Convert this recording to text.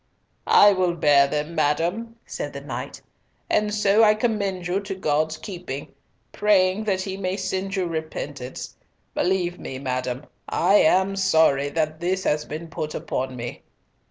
"I will bear them, madam," said the knight, "and so I commend you to God's keeping, praying that He may send you repentance. Believe me, madam, I am sorry that this has been put upon me."